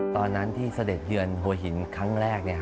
ตอนนั้นที่เสด็จเยือนหัวหินครั้งแรก